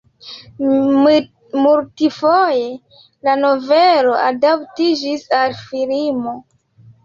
Multfoje la novelo adaptiĝis al filmo.